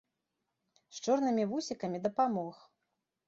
З чорнымі вусікамі дапамог.